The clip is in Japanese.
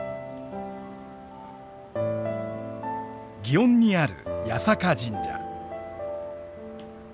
園にある八坂神社。